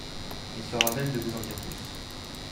Il sera à même de vous en dire plus.